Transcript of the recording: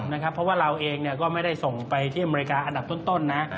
เพราะว่าเราเองก็ไม่ได้ส่งไปที่อเมริกาอันดับต้นนะ